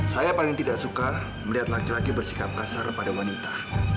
saya paling tidak suka melihat laki laki bersikap kasar pada wanita